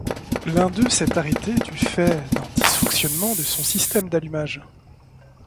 L'un d'eux s'est arrêté du fait d'un dysfonctionnement de son système d'allumage.